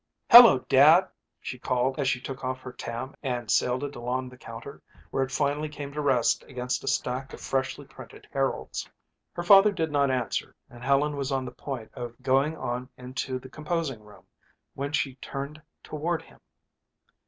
"Hello, Dad," she called as she took off her tam and sailed it along the counter where it finally came to rest against a stack of freshly printed Heralds. Her father did not answer and Helen was on the point of going on into the composing room when she turned toward him.